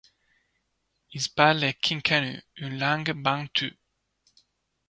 Ils parlent le kinkanu, une langue bantoue.